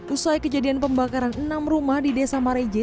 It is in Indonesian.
usai kejadian pembakaran enam rumah di desa mareje